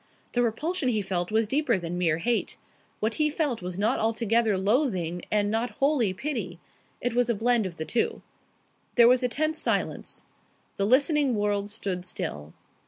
The repulsion he felt was deeper than mere hate. What he felt was not altogether loathing and not wholly pity. It was a blend of the two. There was a tense silence. The listening world stood still.